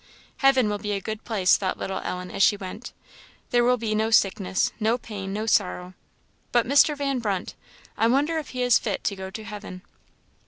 "Heaven will be a good place," thought little Ellen, as she went; "there will be no sickness, no pain, no sorrow; but Mr. Van Brunt I wonder if he is fit to go to heaven?"